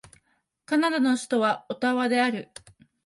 カナダの首都はオタワである